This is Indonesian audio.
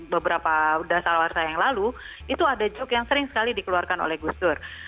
beberapa dasar warsa yang lalu itu ada joke yang sering sekali dikeluarkan oleh gus dur